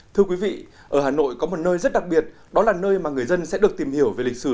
thưa quý vị ở hà nội có một nơi rất đặc biệt đó là nơi mà người dân sẽ được tìm hiểu về lịch sử